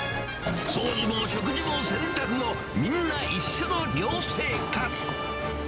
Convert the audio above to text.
掃除も食事も洗濯も、みんな一緒の寮生活。